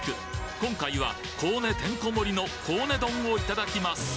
今回はコウネてんこ盛りのコウネ丼をいただきます！